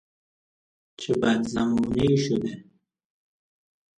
چه بد زمانهای شده!